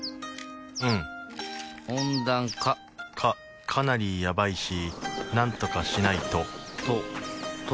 うん温暖化かかなりやばいしなんとかしないとと解けちゃうね